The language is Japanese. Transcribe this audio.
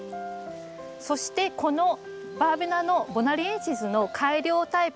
そしてこのバーベナのボナリエンシスの改良タイプ